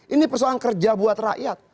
ini persoalan kerja buat rakyat